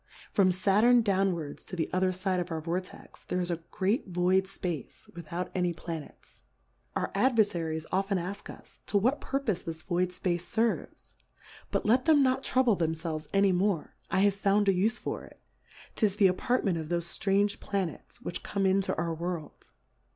From Saturn downwards to the otherfide of our Vortex, there is a great void Space without any Planets. Our Adverfaries often ask us, to what purpofe this void Space ferves ? But let them not trouble themfelves any more, I have found a ufe for it. 'Tis the Apartment of thofe ftrange Planets, which come into our World.